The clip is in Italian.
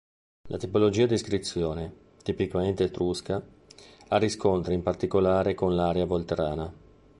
La tipologia di iscrizione, tipicamente etrusca, ha riscontri in particolare con l’area volterrana.